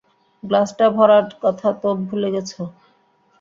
গ্লাসটা ভরার কথা তো ভুলে গেছো।